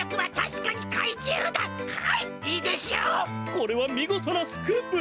これはみごとなスクープ。